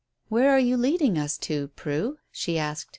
"Where are you leading us to, Prue?" she asked.